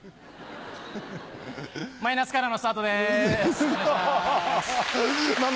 マイナスからのスタートですお願いします。